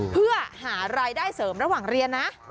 เพื่อหารายได้เสริมระหว่างเรียนนะ